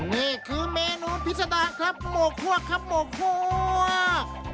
นี่คือเมนูพิษดาครับหมวกพวกครับหมวกคั่ว